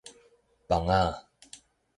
枋仔